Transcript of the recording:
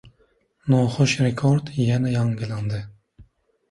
Noxush rekord yana yangilandi